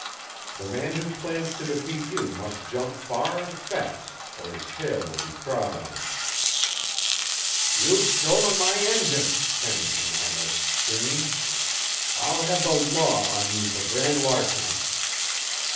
The man who plans to defeat you must jump far and fast, or his tail will be trod on." "You've stolen my engine," Pennington almost screamed. "I'll have the law on you for grand larceny."